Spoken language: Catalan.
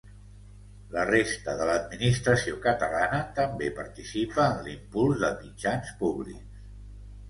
La resta de l'Administració catalana també participa en l'impuls de mitjans públics.